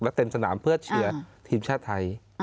และเต็มสนามเพื่อเชียร์ทีมชาติไทย